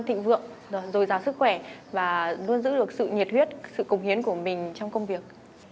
thịnh vượng rồi giàu sức khỏe và luôn giữ được sự nhiệt huyết sự cống hiến của mình trong công việc